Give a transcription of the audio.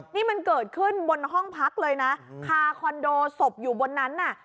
นี่มันเกิดขึ้นบนห้องพักเลยนะคาคอนโดศพอยู่บนนั้นน่ะ